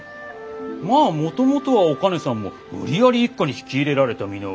まあもともとはお兼さんも無理やり一家に引き入れられた身の上。